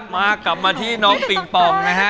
มากลับมาที่น้องปิงปองนะฮะ